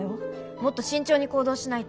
もっと慎重に行動しないと。